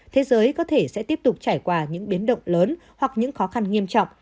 thế giới có thể sẽ tiếp tục trải qua những biến động lớn hoặc những khó khăn nghiêm trọng